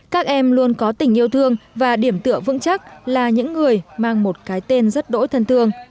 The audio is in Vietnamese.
các em luôn có tình yêu thương và điểm tựa vững chắc là những người mang một cái tên rất đỗi thân thương